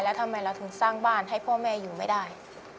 แล้วทำไมเราถึงสร้างบ้านให้พ่อแม่อยู่ไม่ได้